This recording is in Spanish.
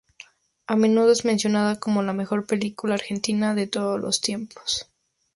A menudo es mencionada como la mejor película argentina de todos los tiempos.